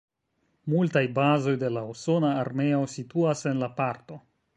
Multaj bazoj de la usona armeo situas en la parto.